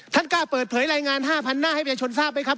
ท่านกล้าเปิดเผยรายงาน๕๐๐หน้าให้ประชาชนทราบไหมครับ